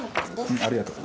うんありがとう。